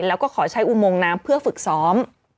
แล้วก็ขอใช้อุโมงน้ำเพื่อฝึกซ้อม